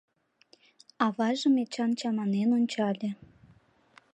Аважым Эчан чаманен ончале.